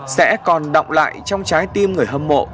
sẽ còn động lại trong trái tim người hâm mộ